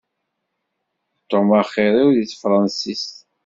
D Tom axir-iw deg tefransist.